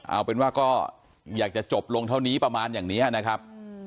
เอาเป็นว่าก็อยากจะจบลงเท่านี้ประมาณอย่างนี้นะครับ